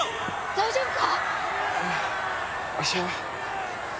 大丈夫か？